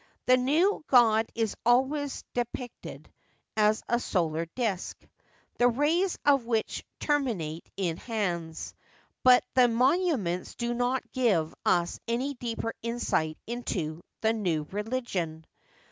The new god is always depicted as a solar disk, the rays of which terminate in hands ; but the monuments do not give us any deeper insight into the new religion.